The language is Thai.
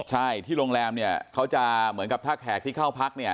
ใช่ที่โรงแรมเนี่ยเขาจะเหมือนกับถ้าแขกที่เข้าพักเนี่ย